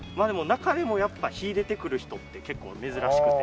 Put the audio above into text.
中でもやっぱり秀でてくる人って結構珍しくて。